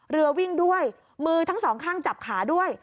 เรือวิ่งด้วยมือทั้งสองข้างจับขาด้วย